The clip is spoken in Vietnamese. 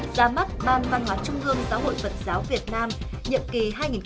giá mắt ban văn hóa trung gương giáo hội vận giáo việt nam nhiệm kỳ hai nghìn một mươi bảy hai nghìn hai mươi hai